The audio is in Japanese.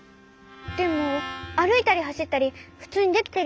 でもあるいたりはしったりふつうにできてるよね？